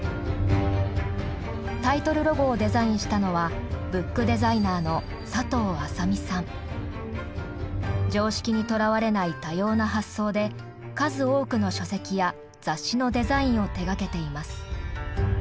タイトルロゴをデザインしたのは常識にとらわれない多様な発想で数多くの書籍や雑誌のデザインを手がけています。